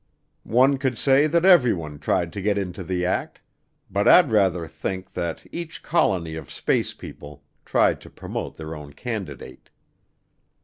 One could say that everyone tried to get into the act, but I'd rather think that each colony of space people tried to promote their own candidate.